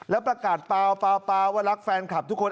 แล้วประกาศเปล่าว่ารักแฟนคลับทุกคน